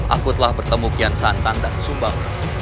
aku telah bertemu kian santan dan sumbang